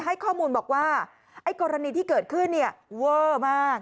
ให้ข้อมูลบอกว่าไอ้กรณีที่เกิดขึ้นเนี่ยเวอร์มาก